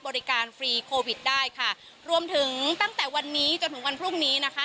บริการฟรีโควิดได้ค่ะรวมถึงตั้งแต่วันนี้จนถึงวันพรุ่งนี้นะคะ